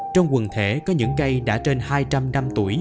trong quần thể có những cây đã trên hai trăm linh năm tuổi